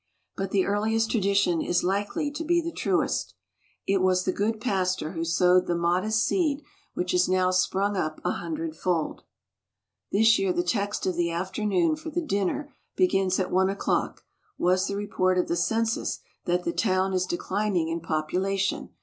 But the earliest tradition is likely to be the truest. It was the good pastor who sowed the modest seed which has now sprung up a hundred fold. This year the text of the afternoon, for the dinner begins at one o'clock, was the report of the census that the town is declining in population.